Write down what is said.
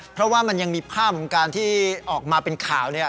เพราะว่ามันยังมีภาพมันการณ์ที่ออกมาเป็นข่าวเนี่ย